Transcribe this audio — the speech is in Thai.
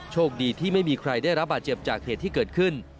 โชคดีที่ไม่มีใครได้รับบาดเจ็บจากเหตุที่เกิดขึ้น